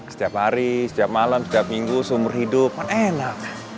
setiap hari setiap malam setiap minggu seumur hidup kan enak